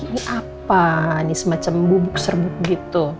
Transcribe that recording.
ini apa ini semacam bubuk serbuk gitu